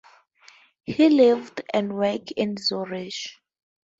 He lived and worked in Zurich.